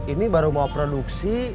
ini baru mau produksi